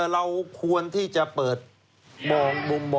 เราควรที่จะเปิดมุมมองว่าหมอกับพยาบาล